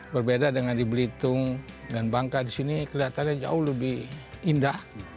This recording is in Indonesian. berbeda dengan di belitung dan bangka di sini kelihatannya jauh lebih indah